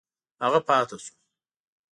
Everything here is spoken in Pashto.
هغه پاته شو.